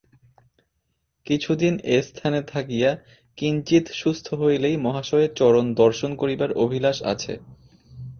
কিছুদিন এস্থানে থাকিয়া কিঞ্চিৎ সুস্থ হইলেই মহাশয়ের চরণ দর্শন করিবার অভিলাষ আছে।